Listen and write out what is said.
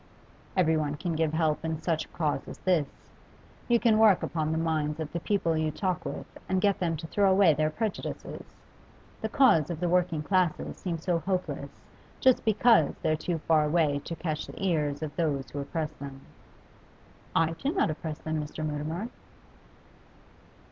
'Everyone can give help in such a cause as this. You can work upon the minds of the people you talk with and get them to throw away their prejudices. The cause of the working classes seems so hopeless just because they're too far away to catch the ears of those who oppress them.' 'I do not oppress them, Mr. Mutimer.